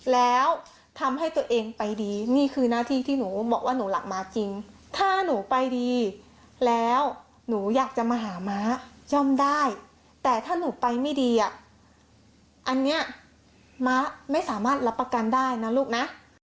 แล้วทำให้ตัวเองไปดีนี่คือหน้าที่ที่หนูบอกว่าหนูหลับม้าจริงถ้าหนูไปดีแล้วหนูอยากจะมาหาม้าย่อมได้แต่ถ้าหนูไปไม่ดีอ่ะอันนี้ม้าไม่สามารถรับประกันได้นะลูกนะ